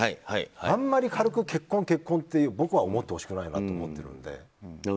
あんまり軽く結婚、結婚って僕は思ってほしくないなと思っているので。